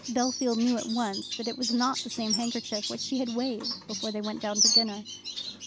Bellfield knew at once that it was not the same handkerchief which she had waved before they went down to dinner.